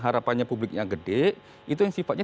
harapannya publiknya gede itu yang sifatnya